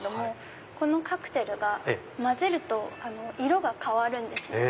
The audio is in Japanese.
このカクテルが混ぜると色が変わるんですね。